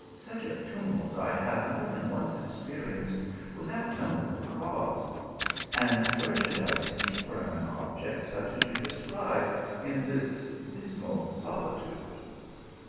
" Such a tumult I have more than once experi enced without knowing the cause ; and where should I seek for an object such as you describe in this dis mal solitude